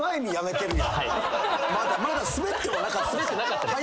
まだスベってもなかったです